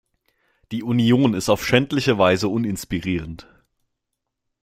Die Union ist auf schändliche Weise uninspirierend.